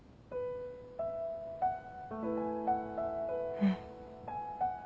うん。